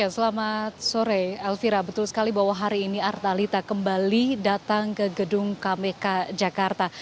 selamat sore elvira betul sekali bahwa hari ini artalita kembali datang ke gedung kpk jakarta